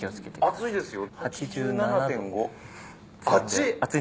熱いですよ。